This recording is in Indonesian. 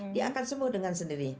dia akan sembuh dengan sendiri